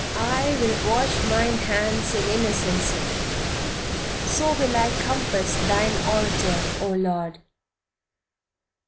"I will wash mine hands in innocency, so will I compass thine altar, oh Lord."